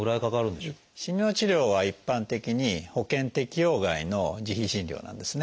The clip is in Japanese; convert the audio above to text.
しみの治療は一般的に保険適用外の自費診療なんですね。